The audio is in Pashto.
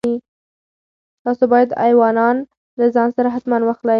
تاسو باید ایوانان له ځان سره حتماً واخلئ.